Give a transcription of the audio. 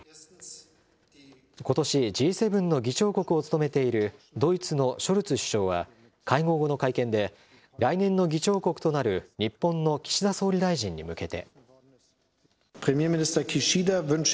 ことしＧ７の議長国を務めているドイツのショルツ首相は、会合後の会見で、来年の議長国となる日本の岸田総理大臣に向けて。